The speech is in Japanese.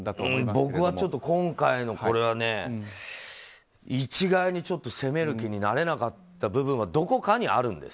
僕は今回のこれは一概に責める気になれなかった部分はどこかにあるんです。